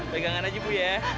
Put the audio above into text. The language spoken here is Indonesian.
pegangan aja bu ya